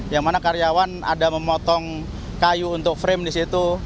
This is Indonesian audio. yang mana karyawan ada memotong kayu untuk frame di situ